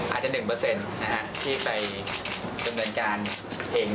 อาจจะ๑ที่ไปจนเดินการเห็ง